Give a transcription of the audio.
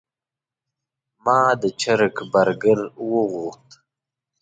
ما د چرګ برګر وغوښت.